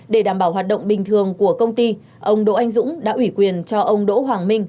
để đảm bảo hoạt động bình thường của công ty ông đỗ anh dũng đã ủy quyền cho ông đỗ hoàng minh